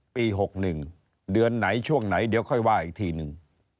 ปี๖๑เดือนไหนช่วงไหนเดี๋ยวค่อยว่าอีกทีหนึ่ง